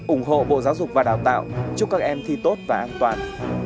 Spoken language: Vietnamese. ủng hộ bộ giáo dục và đào tạo chúc các em thi tốt và an toàn